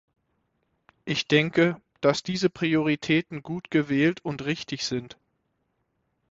Ich denke, dass diese Prioritäten gut gewählt und richtig sind.